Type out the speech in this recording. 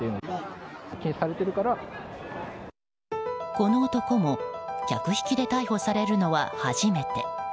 この男も客引きで逮捕されるのは初めて。